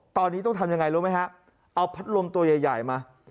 ตอนนี้ต้องทำยังไงรู้ไหมฮะเอาพัดลมตัวใหญ่มา